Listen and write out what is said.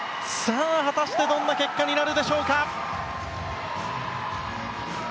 果たしてどんな結果になるでしょうか。